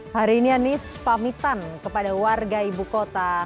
hari ini anies pamitan kepada warga ibu kota